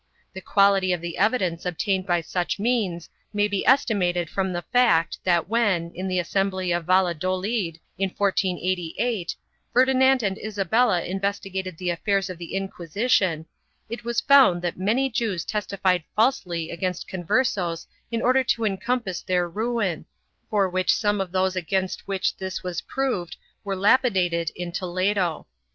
The quality of the evidence obtained by such means may be estimated from the fact that when, in the assembly of Valladolid, in 1488, Ferdinand and Isabella investigated the^ affairs of the Inquisition, it was found that many Jews testified\ falsely against Conversos in order to encompass their ruin, for which some of those against which this was proved were lapidated in Toledo.